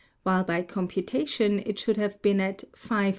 while by computation it should have been at 5 h.